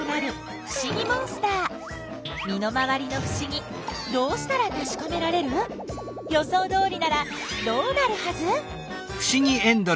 身の回りのふしぎどうしたらたしかめられる？予想どおりならどうなるはず？